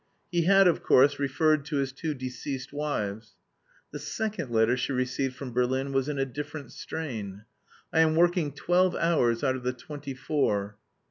He had, of course, referred to his two deceased wives. The second letter she received from Berlin was in a different strain: "I am working twelve hours out of the twenty four."